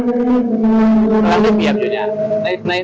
ตอนนั้นได้เปรียบอยู่เนี่ย